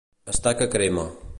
Estar que crema.